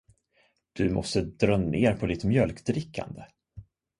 Du måste dra ner på ditt mjölkdrickande.